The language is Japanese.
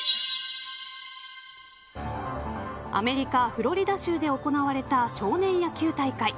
アメリカ、フロリダ州で行われた少年野球大会。